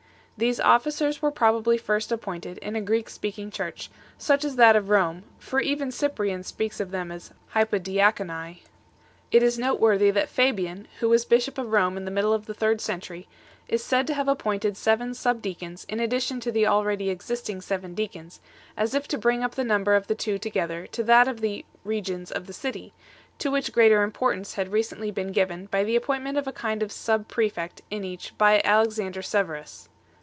These officers were probably first appointed in a Greek speaking Church, such as that of Eome, for even Cyprian speaks of them as "hypodiaconi." It is noteworthy that Fabian, who was bishop of Rome in the middle of the third century, is said 2 to have appointed seven subdeacons in addition to the already existing seven deacons, as if to bring up the number of the two together to that of the "regions" of the city, to which greater importance had recently been given by the appointment of a kind of sub prefect in each by Alexander Severus.